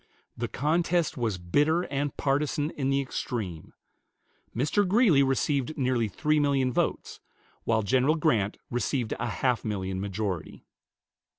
The contest was bitter and partisan in the extreme. Mr. Greeley received nearly three million votes, while General Grant received a half million majority.